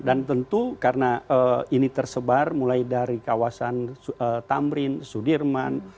dan tentu karena ini tersebar mulai dari kawasan tamrin sudirman